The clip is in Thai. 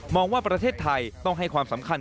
ว่าประเทศไทยต้องให้ความสำคัญ